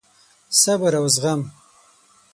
صبر او زغم: